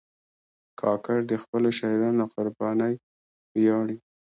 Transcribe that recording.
کاکړ د خپلو شهیدانو له قربانۍ ویاړي.